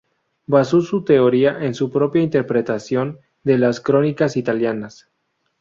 Basó su teoría en su propia interpretación de las crónicas italianas.